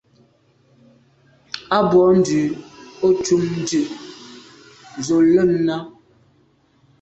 A bwô ndù o tum dù’ z’o lem nà.